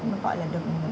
nó gọi là được